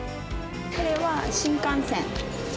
これは新幹線。